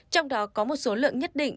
trong đó có một số lượng nhất định